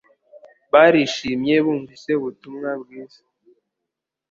Barishimye bumvise ubutumwa bwiza